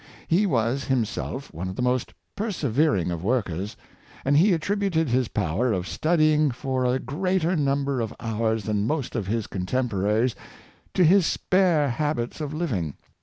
He was himself one of the most persevering of workers; and he attrib uted his power of studying for a greater number of hours than most of his cotemporaries to his spare habits of living.